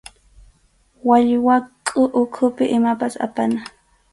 Wallwakʼu ukhupi imapas apana.